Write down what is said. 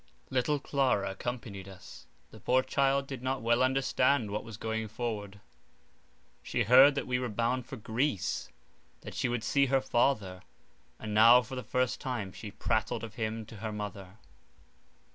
Little Clara accompanied us; the poor child did not well understand what was going forward. She heard that we were bound for Greece, that she would see her father, and now, for the first time, she prattled of him to her mother.